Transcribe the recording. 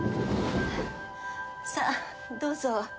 さあどうぞ。